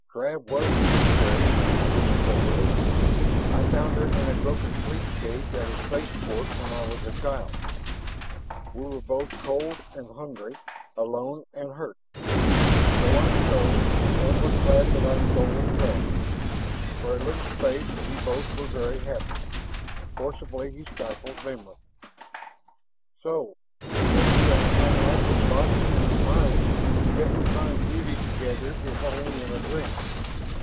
"Trav was to be cherished," he agreed soberly. "I found her in a broken sleep cage at a spaceport when I was a child. We were both cold and hungry, alone and hurt. So I stole and was glad that I stole Trav. For a little space we both were very happy...." Forcibly he stifled memory. "So, though we are unlike in body and in mind, yet we find beauty together if only in a dream.